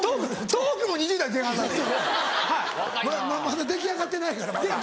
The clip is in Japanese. まだ出来上がってないからまだ。